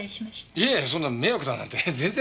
いえそんな迷惑だなんて全然。